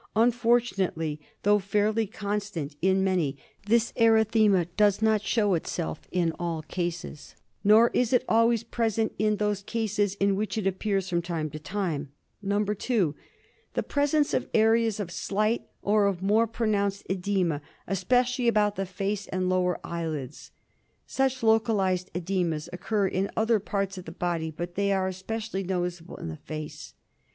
Unfortunately, though fairly constant in many, this erythema does not show itself in all cases; 184 DIAGNOSIS OF TRYPANOSOMIASIS. nor is it always present in those cases in which it appears from time to time. 2. The presence of areas of slight or of more pro nounced oedema, especially about the face and lower eyelids. Such localised oedemas occur in other parts of the body, but they are specially noticeable in the face.